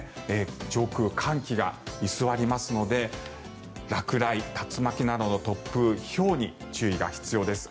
上空、寒気が居座りますので落雷、竜巻などの突風ひょうに注意が必要です。